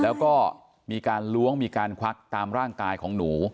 แล้วก็มีการล้วงมีการควักตามร่างกายของหนู